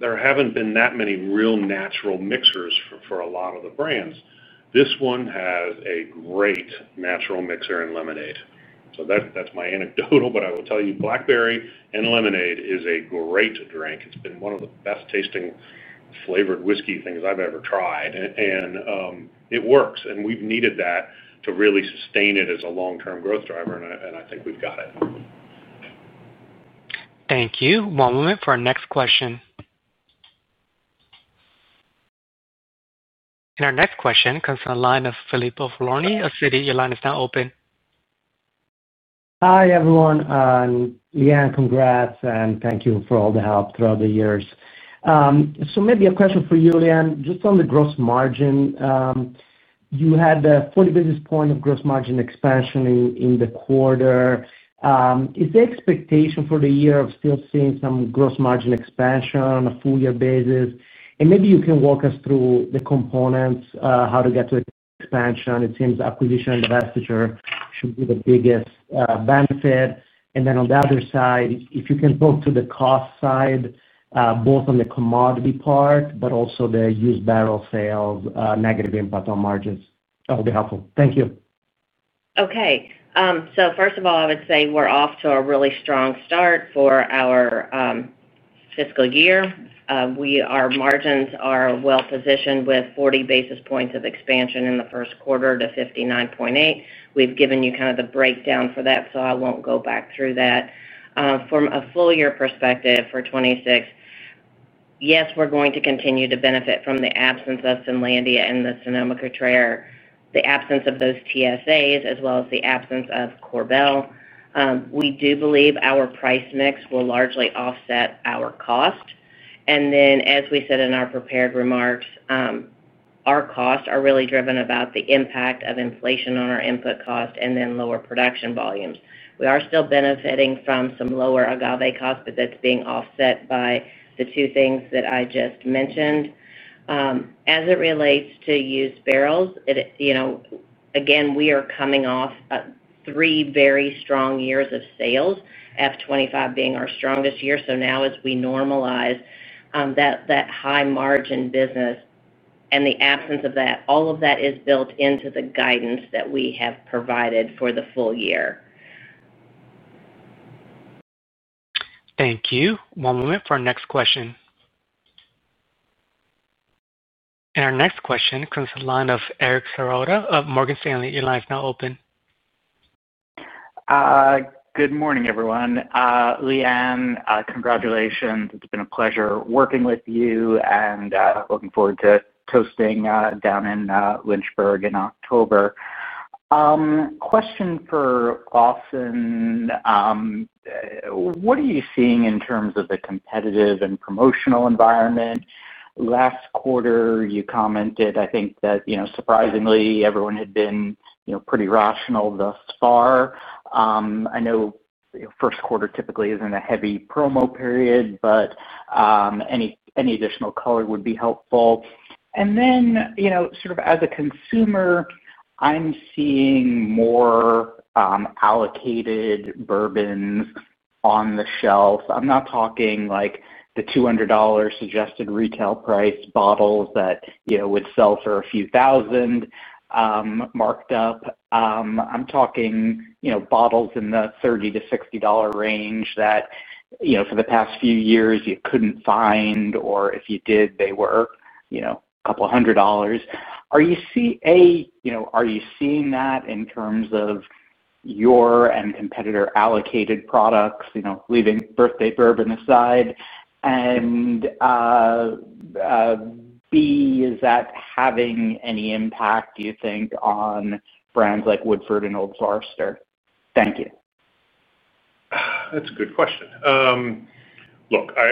there haven't been that many real natural mixers for a lot of the brands. This one has a great natural mixer in lemonade. That's my anecdotal, but I will tell you Blackberry and lemonade is a great drink. It's been one of the best tasting flavored whiskey things I've ever tried. It works. We've needed that to really sustain it as a long-term growth driver. I think we've got it. Thank you. One moment for our next question. Our next question comes from the line of Filippo Falorni of Citi. Your line is now open. Hi everyone. Leanne, congrats and thank you for all the help throughout the years. Maybe a question for you, Leanne, just on the gross margin. You had the 40 basis point gross margin expansion in the quarter. Is the expectation for the year still seeing some gross margin expansion on a full-year basis? Maybe you can walk us through the components, how to get to expansion. It seems acquisition and divestiture should be the biggest benefit. On the other side, if you can look to the cost side, both on the commodity part, but also the used barrel sales, negative impact on margins. That would be helpful. Thank you. Okay. First of all, I would say we're off to a really strong start for our fiscal year. Our margins are well positioned with 40 basis points of expansion in the first quarter to 59.8%. We've given you kind of the breakdown for that, so I won't go back through that. From a full-year perspective for 2026, yes, we're going to continue to benefit from the absence of Finlandia and the Sonoma-Cutrer, the absence of those transition services agreements, as well as the absence of Korbel. We do believe our price mix will largely offset our cost. As we said in our prepared remarks, our costs are really driven by the impact of inflation on our input cost and then lower production volumes. We are still benefiting from some lower agave costs, but that's being offset by the two things that I just mentioned. As it relates to used barrels, again, we are coming off three very strong years of sales, 2025 being our strongest year. Now, as we normalize that high margin business and the absence of that, all of that is built into the guidance that we have provided for the full year. Thank you. One moment for our next question. Our next question comes from the line of Eric Serotta of Morgan Stanley. Your line is now open. Good morning, everyone. Leanne, congratulations. It's been a pleasure working with you and looking forward to toasting down in Lynchburg in October. Question for Lawson. What are you seeing in terms of the competitive and promotional environment? Last quarter, you commented, I think, that everyone had been pretty rational thus far. I know first quarter typically isn't a heavy promo period, but any additional color would be helpful. As a consumer, I'm seeing more allocated bourbons on the shelf. I'm not talking like the $200 suggested retail price bottles that would sell for a few thousand marked up. I'm talking bottles in the $30-$60 range that, for the past few years, you couldn't find, or if you did, they were a couple hundred dollars. Are you seeing that in terms of your and competitor allocated products, leaving birthday bourbon aside? B, is that having any impact, do you think, on brands like Woodford and Old Forester? Thank you. That's a good question. Look, I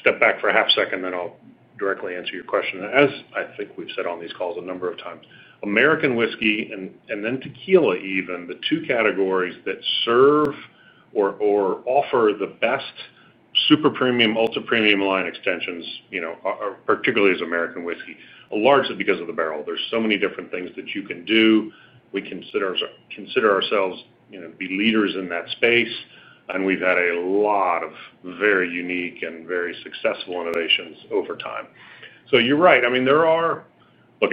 stepped back for a half second, and then I'll directly answer your question. As I think we've said on these calls a number of times, American whiskey and then tequila, even the two categories that serve or offer the best super premium, ultra premium line extensions, particularly as American whiskey, largely because of the barrel. There are so many different things that you can do. We consider ourselves to be leaders in that space, and we've had a lot of very unique and very successful innovations over time. You're right. There are, look,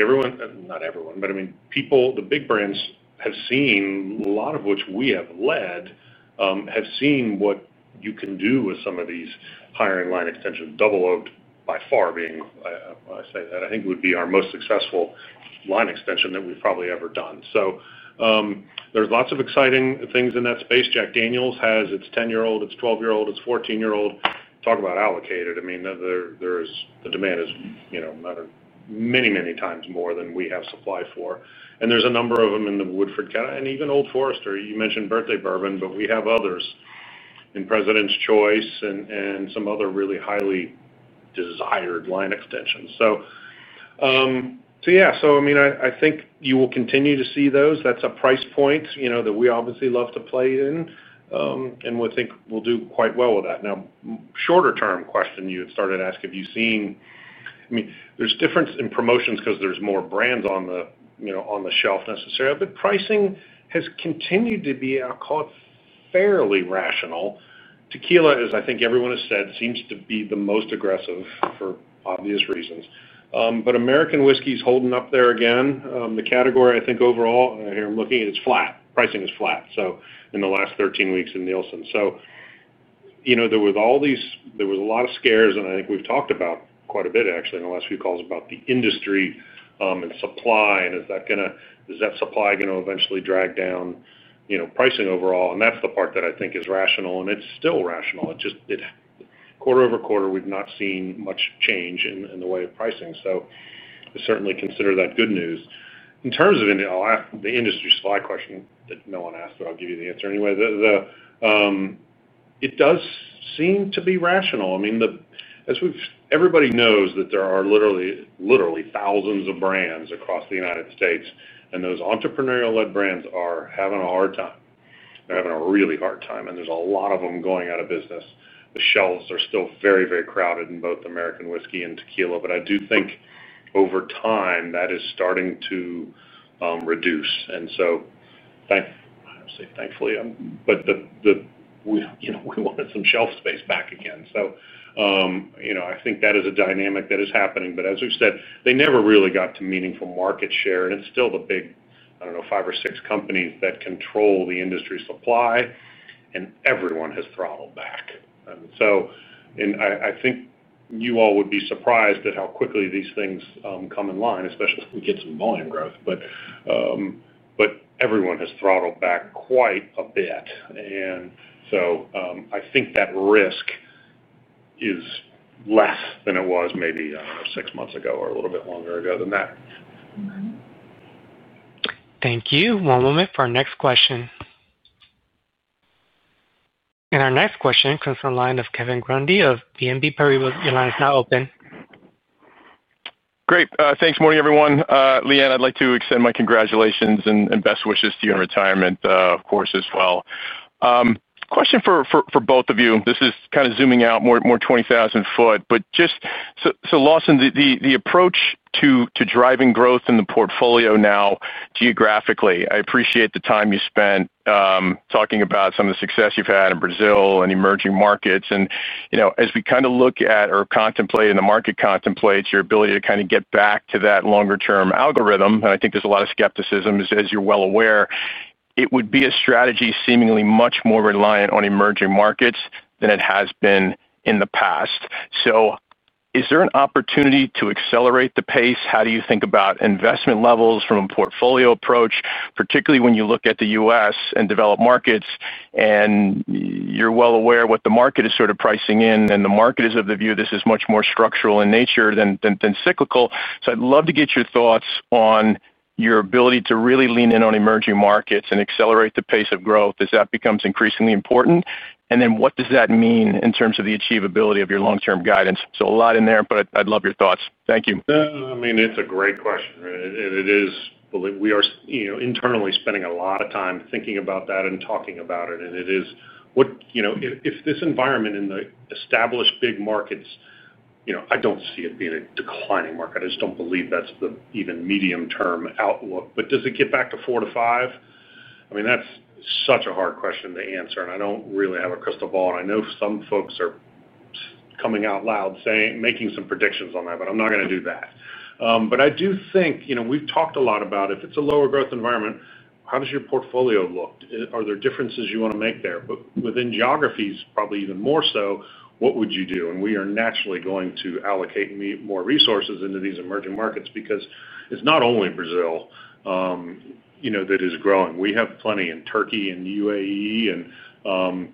not everyone, but people, the big brands have seen, a lot of which we have led, have seen what you can do with some of these higher line extensions, Double Oak by far being, I say that, I think would be our most successful line extension that we've probably ever done. There are lots of exciting things in that space. Jack Daniel's has its 10-year-old, its 12-year-old, its 14-year-old. Talk about allocated. The demand is many, many times more than we have supply for. There are a number of them in the Woodford kettle and even Old Forester. You mentioned Birthday Bourbon, but we have others in President's Choice and some other really highly desired line extensions. I think you will continue to see those. That's a price point that we obviously love to play in, and we think we'll do quite well with that. Now, shorter-term question you had started to ask, have you seen, there's a difference in promotions because there's more brands on the shelf necessarily, but pricing has continued to be fairly rational. Tequila, as I think everyone has said, seems to be the most aggressive for obvious reasons. American whiskey is holding up there again. The category, I think, overall, here I'm looking at, it's flat. Pricing is flat. In the last 13 weeks in Nielsen, there were a lot of scares, and I think we've talked about quite a bit, actually, in the last few calls about the industry and supply. Is that supply going to eventually drag down pricing overall? That's the part that I think is rational, and it's still rational. quarter-over-quarter, we've not seen much change in the way of pricing. I certainly consider that good news. In terms of the industry supply question that no one asked, but I'll give you the answer anyway. It does seem to be rational. I mean, as we've, everybody knows that there are literally, literally thousands of brands across the United States. Those entrepreneurial-led brands are having a hard time. They're having a really hard time. There are a lot of them going out of business. The shelves are still very, very crowded in both American whiskey and tequila. I do think over time that is starting to reduce. Thankfully, we wanted some shelf space back again. I think that is a dynamic that is happening. As we've said, they never really got to meaningful market share. It's still the big, I don't know, five or six companies that control the industry supply. Everyone has throttled back. I think you all would be surprised at how quickly these things come in line, especially if we get some volume growth. Everyone has throttled back quite a bit. I think that risk is less than it was maybe six months ago or a little bit longer ago than that. Thank you. One moment for our next question. Our next question comes from the line of Kevin Grundy of BNP Paribas. Your line is now open. Great. Thanks. Morning, everyone. Leanne, I'd like to extend my congratulations and best wishes to you in retirement, of course, as well. Question for both of you. This is kind of zooming out more 20,000 foot. Just, so Lawson, the approach to driving growth in the portfolio now geographically, I appreciate the time you spent talking about some of the success you've had in Brazil and emerging markets. You know, as we kind of look at or contemplate, and the market contemplates, your ability to kind of get back to that longer-term algorithm. I think there's a lot of skepticism, as you're well aware. It would be a strategy seemingly much more reliant on emerging markets than it has been in the past. Is there an opportunity to accelerate the pace? How do you think about investment levels from a portfolio approach, particularly when you look at the U.S. and developed markets? You're well aware of what the market is sort of pricing in. The market is of the view this is much more structural in nature than cyclical. I'd love to get your thoughts on your ability to really lean in on emerging markets and accelerate the pace of growth as that becomes increasingly important. What does that mean in terms of the achievability of your long-term guidance? A lot in there, but I'd love your thoughts. Thank you. I mean, it's a great question. We are, you know, internally spending a lot of time thinking about that and talking about it. It is what, you know, if this environment in the established big markets, you know, I don't see it being a declining market. I just don't believe that's the even medium-term outlook. Does it get back to four to five? I mean, that's such a hard question to answer. I don't really have a crystal ball. I know some folks are coming out loud saying, making some predictions on that, but I'm not going to do that. I do think, you know, we've talked a lot about if it's a lower growth environment, how does your portfolio look? Are there differences you want to make there? Within geographies, probably even more so, what would you do? We are naturally going to allocate more resources into these emerging markets because it's not only Brazil, you know, that is growing. We have plenty in Turkey and UAE.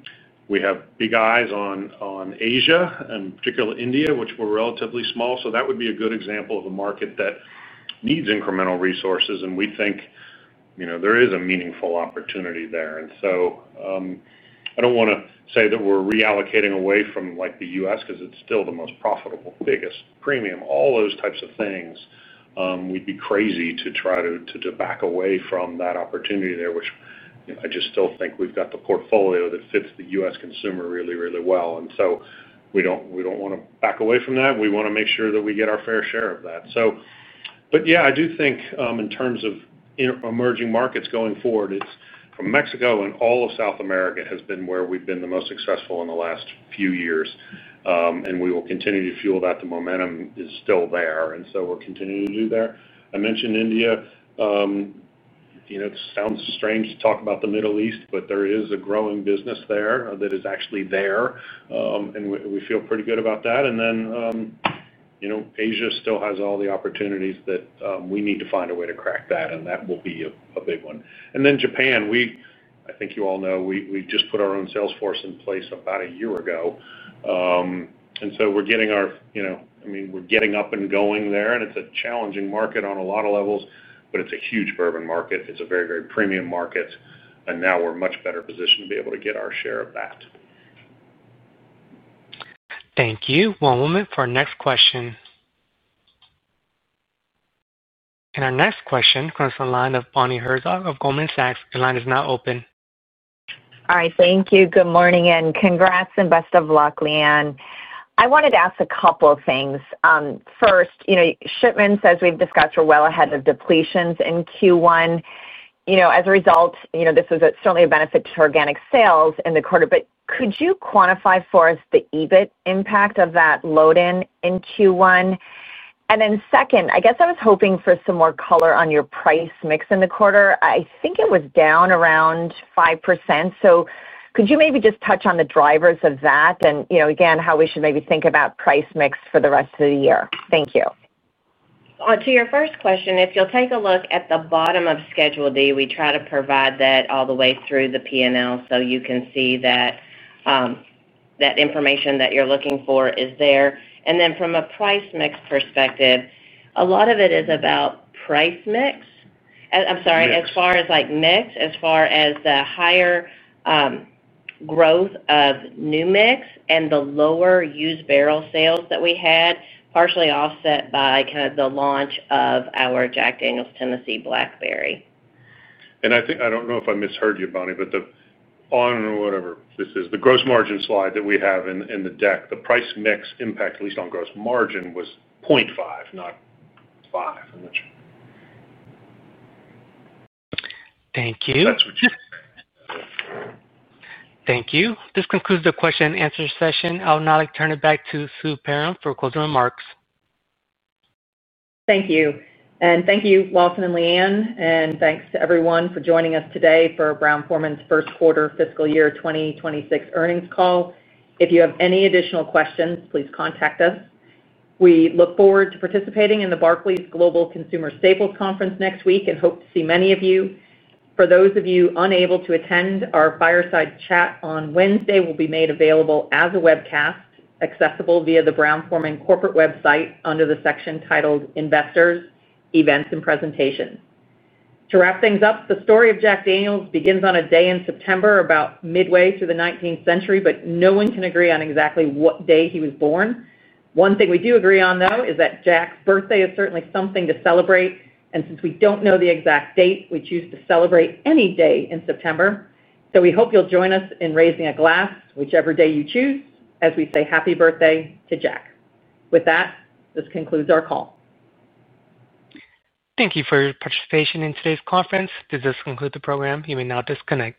We have big eyes on Asia and particularly India, which we're relatively small. That would be a good example of a market that needs incremental resources. We think there is a meaningful opportunity there. I don't want to say that we're reallocating away from the U.S. because it's still the most profitable, biggest premium, all those types of things. We'd be crazy to try to back away from that opportunity, which I still think we've got the portfolio that fits the U.S. consumer really, really well. We don't want to back away from that. We want to make sure that we get our fair share of that. I do think in terms of emerging markets going forward, it's from Mexico and all of South America, which has been where we've been the most successful in the last few years. We will continue to fuel that. The momentum is still there, and we'll continue to do that. I mentioned India. It sounds strange to talk about the Middle East, but there is a growing business there that is actually there, and we feel pretty good about that. Asia still has all the opportunities, and we need to find a way to crack that. That will be a big one. Japan, I think you all know, we just put our own sales force in place about a year ago, so we're getting up and going there. It's a challenging market on a lot of levels, but it's a huge bourbon market. It's a very, very premium market, and now we're in a much better position to be able to get our share of that. Thank you. One moment for our next question. Our next question comes from the line of Bonnie Herzog of Goldman Sachs. Your line is now open. All right. Thank you. Good morning and congrats and best of luck, Leanne. I wanted to ask a couple of things. First, you know, shipments as we've discussed are well ahead of depletions in Q1. As a result, you know, this was certainly a benefit to organic sales in the quarter. Could you quantify for us the EBIT impact of that load-in in Q1? Second, I guess I was hoping for some more color on your price mix in the quarter. I think it was down around 5%. Could you maybe just touch on the drivers of that and, you know, again, how we should maybe think about price mix for the rest of the year? Thank you. To your first question, if you'll take a look at the bottom of Schedule D, we try to provide that all the way through the P&L so you can see that that information that you're looking for is there. From a price mix perspective, a lot of it is about price mix. I'm sorry, as far as like mix, as far as the higher growth of New Mix and the lower used barrel sales that we had, partially offset by kind of the launch of our Jack Daniel's Tennessee Blackberry. I think, I don't know if I misheard you, Bonnie, but on the gross margin slide that we have in the deck, the price mix impact, at least on gross margin, was 0.5%, not 5%. Thank you. Thank you. This concludes the question and answer session. I'll now turn it back to Sue Perram for closing remarks. Thank you. Thank you, Lawson and Leanne. Thanks to everyone for joining us today for Brown-Forman's first quarter fiscal year 2026 earnings call. If you have any additional questions, please contact us. We look forward to participating in the Barclays Global Consumer Staples Conference next week and hope to see many of you. For those of you unable to attend, our fireside chat on Wednesday will be made available as a webcast, accessible via the Brown-Forman corporate website under the section titled Investors, Events, and Presentations. To wrap things up, the story of Jack Daniel begins on a day in September about midway through the 19th century, but no one can agree on exactly what day he was born. One thing we do agree on, though, is that Jack's birthday is certainly something to celebrate. Since we don't know the exact date, we choose to celebrate any day in September. We hope you'll join us in raising a glass, whichever day you choose, as we say happy birthday to Jack. With that, this concludes our call. Thank you for your participation in today's conference. This concludes the program. You may now discontinue.